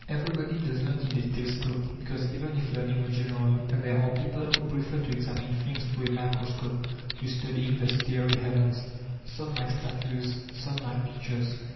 Everybody does not need a telescope, because, even if learning were general, there are people who prefer to examine things through a microscope to studying the starry heavens. Some like statues, some like pictures.